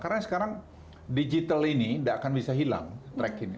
karena sekarang digital ini tidak akan bisa hilang trackingnya